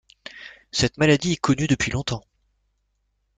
Cette maladie est connue depuis longtemps.